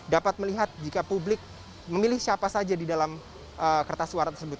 dapat melihat jika publik memilih siapa saja di dalam kertas suara tersebut